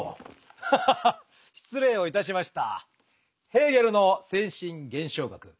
ハハハ失礼をいたしました。